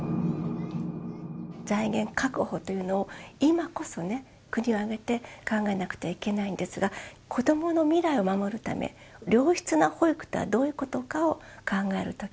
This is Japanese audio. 財源確保というのを、今こそ国を挙げて考えなくてはいけないんですが、子どもの未来を守るため、良質な保育とはどういうことかを考えるとき。